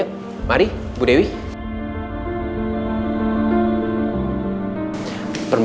oke jangan khusus saja dispirang